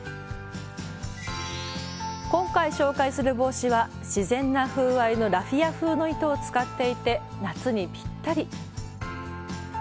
今回紹介する帽子は自然な風合いのラフィア風の糸を使っていて夏にぴったり。